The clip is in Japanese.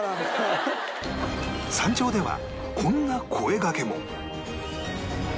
山頂ではこんな声がけも